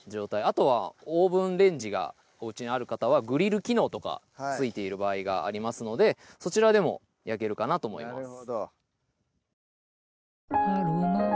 あとはオーブンレンジがおうちにある方はグリル機能とか付いている場合がありますのでそちらでも焼けるかなと思います